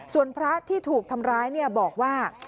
ส่วนพระที่ถูกทำร้ายบอกว่า